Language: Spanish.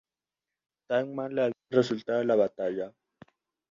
Tan mal le había resultado la batalla.